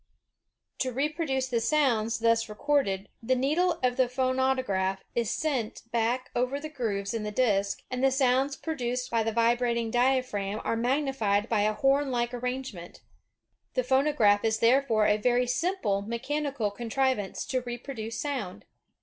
To reproduce the sounds thus recorded, the needle of the phonautograph is sent THOMAS A. EDISON K uoviKC ncTimE machine back, over the grooves in the disk, and the sounds pro duced by the vibrating diaphragm are magnified by a horn like arrangement. The phonograph is therefore a very simple mechanical contrivance to reproduce sound.